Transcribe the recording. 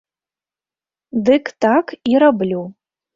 Дык так і раблю.